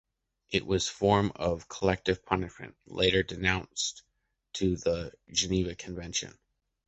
It was a form of collective punishment, later denounced to the Geneva Convention.